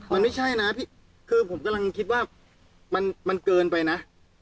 มันไม่ใช่นะพี่คือผมกำลังคิดว่ามันเกินไปนะ